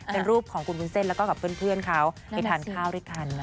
เป็นรูปของคุณวุ้นเส้นแล้วก็กับเพื่อนเขาไปทานข้าวด้วยกัน